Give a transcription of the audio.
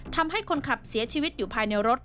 ทำให้คนขับเสียชีวิตอยู่ภายในรถ